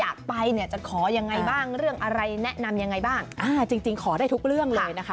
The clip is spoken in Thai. อยากไปเนี่ยจะขอยังไงบ้างเรื่องอะไรแนะนำยังไงบ้างอ่าจริงจริงขอได้ทุกเรื่องเลยนะคะ